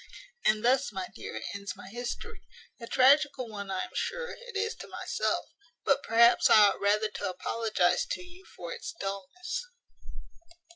"And thus, my dear, ends my history: a tragical one, I am sure, it is to myself; but, perhaps, I ought rather to apologize to you for its dullness."